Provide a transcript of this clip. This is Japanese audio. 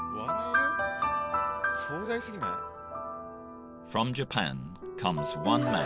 壮大過ぎない？